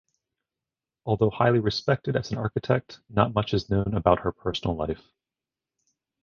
Although highly respected as an architect, not much is known about her personal life.